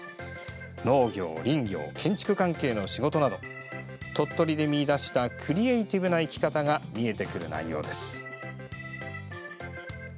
農業、林業、建築関係の仕事など鳥取で見いだしたクリエーティブな生き方が見えてくる内容です。